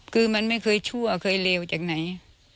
คือมันไม่เคยชั่วเคยเลวจากไหน